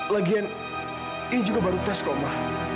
lagian ini juga baru tes kok ma